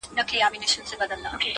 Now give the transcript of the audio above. لکه ګل په پرېشانۍ کي مي خندا ده-